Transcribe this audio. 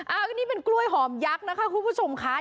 อันนี้เป็นกล้วยหอมยักษ์นะคะคุณผู้ชมค่ะ